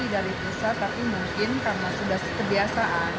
tapi mungkin karena sudah kebiasaan